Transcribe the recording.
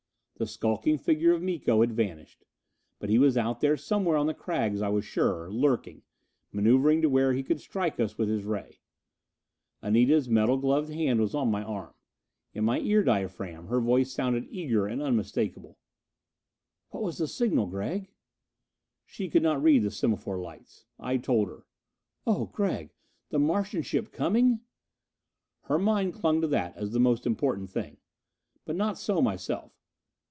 The skulking figure of Miko had vanished; but he was out there somewhere on the crags I was sure, lurking, maneuvering to where he could strike us with his ray. Anita's metal gloved hand was on my arm; in my ear diaphragm her voice sounded eager and unmistakable: "What was the signal, Gregg?" She could not read the semaphore lights. I told her. "Oh Gregg, the Martian ship coming!" Her mind clung to that as the most important thing. But not so myself.